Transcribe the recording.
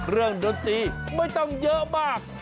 เรื่องดนตรีไม่ต้องเยอะมาก